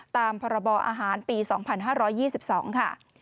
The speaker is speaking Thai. ตามพรบอาหารปี๒๕๒๒ค่ะ